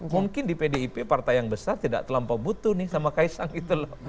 mungkin di pdip partai yang besar tidak terlampau butuh nih sama kaisang gitu loh